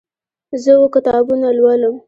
زه اوه کتابونه لولم.